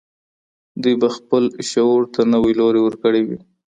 دوی به خپل شعور ته نوی لوری ورکړی وي.